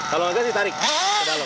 kalau nge gas ditarik ke dalam